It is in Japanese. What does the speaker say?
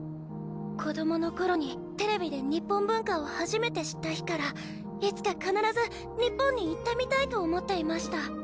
子どもの頃にテレビで日本文化を初めて知った日からいつか必ず日本に行ってみたいと思ってイマシタ。